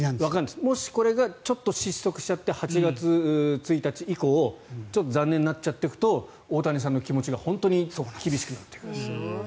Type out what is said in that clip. もしこれがちょっと失速しちゃって８月１日以降残念になっちゃっていくと大谷さんの気持ちが本当に厳しくなってくる。